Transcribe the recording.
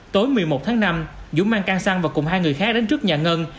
tối một mươi một tháng năm dũng mang can xăng và cùng hai người khác đến trước nhà ngân